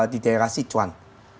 di daerah si cuan